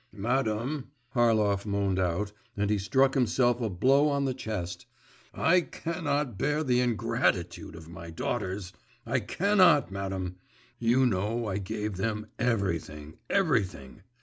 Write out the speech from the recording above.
'Madam,' Harlov moaned out, and he struck himself a blow on the chest, 'I cannot bear the ingratitude of my daughters! I cannot, madam! You know I gave them everything, everything!